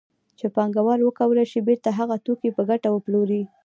چې پانګوال وکولای شي بېرته هغه توکي په ګټه وپلوري